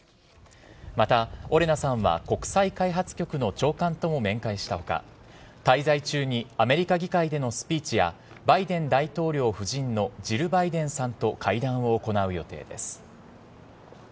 またオレナさんは国際開発局の長官とも面会したほか、滞在中にアメリカ議会でのスピーチや、バイデン大統領夫人のジル・バイデンさんと会談を行う予定です。